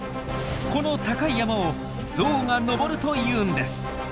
この高い山をゾウが登るというんです。